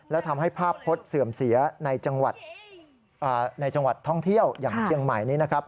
และทำให้ภาพพจน์เสื่อมเสียในจังหวัดท่องเที่ยวอย่างเชียงใหม่นี้นะครับ